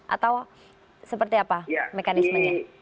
atau seperti apa mekanismenya